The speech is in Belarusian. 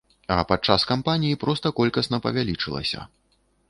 А падчас кампаніі проста колькасна павялічылася.